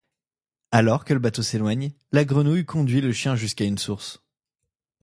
Alors que le bateau s'éloigne, la grenouille conduit le chien jusqu'à une source.